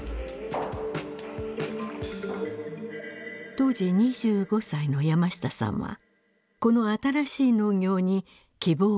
当時２５歳の山下さんはこの新しい農業に希望を見いだしました。